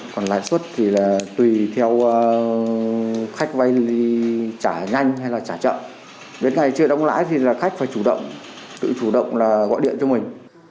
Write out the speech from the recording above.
còn lãi suất thì là tùy theo khách vay trả nhanh hay là trả chậm đến ngày chưa đóng lãi thì là khách phải chủ động tự chủ động là gọi điện cho mình